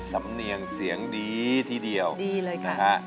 สำเนียงเสียงดีทีเดียวดีเลยค่ะนะฮะ